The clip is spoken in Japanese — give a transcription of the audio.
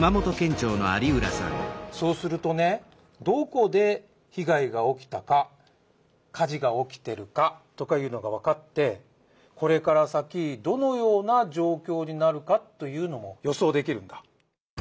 そうするとねどこで被害が起きたか火事が起きてるかとかいうのがわかってこれから先どのような状況になるかというのも予想できるんだ。